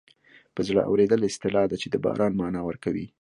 په زړه اورېدل اصطلاح ده چې د باران مانا ورکوي